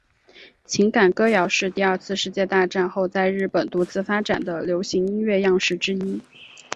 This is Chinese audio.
情感歌谣是第二次世界大战后在日本独自发展的流行音乐样式之一。